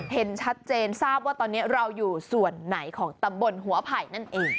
เห็นชัดเจนทราบว่าตอนนี้เราอยู่ส่วนไหนของตำบลหัวไผ่นั่นเอง